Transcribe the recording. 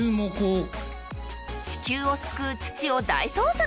地球を救う土を大捜索？